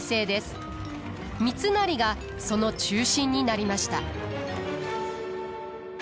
三成がその中心になりました。